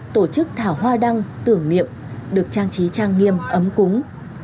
tổ chức thả hoa đăng tưởng niệm được trang trí trang nghiêm ấm cúng